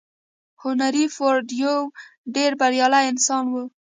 هنري فورډ يو ډېر بريالی انسان و.